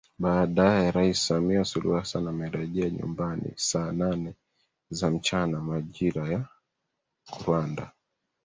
Baadae Rais Samia Suluhu Hassan amerejea nyumbani saa nane za mchana majira ya Rwanda